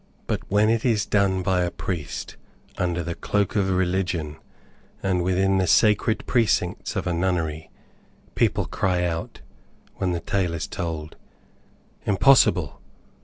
But when it is done by a priest, under the cloak of Religion, and within the sacred precincts of a nunnery, people cry out, when the tale is told, "Impossible!"